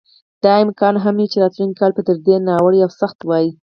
دا امکان هم و چې راتلونکی کال به تر دې ناوړه او سخت وای.